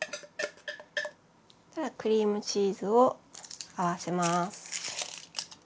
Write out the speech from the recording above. クリームチーズを合わせます。